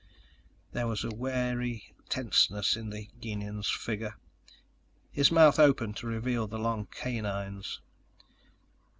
There was a wary tenseness in the Gienahn's figure. His mouth opened to reveal the long canines.